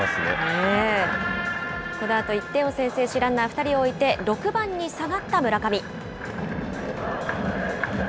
このあと１点を先制し、ランナー２人を置いて、６番に下がった村上。